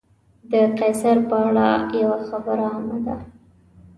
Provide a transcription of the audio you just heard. د قیصر په اړه یوه خبره عامه ده.